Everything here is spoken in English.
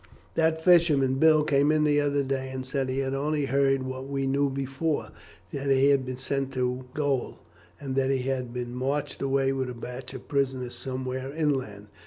That fisherman, Bill, came in the other day, and said he had only heard what we knew before, that he had been sent to gaol, and that he had been marched away with a batch of prisoners somewhere inland.